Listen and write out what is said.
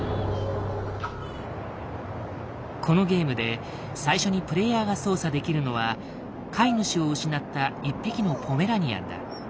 このゲームで最初にプレイヤーが操作できるのは飼い主を失った１匹のポメラニアンだ。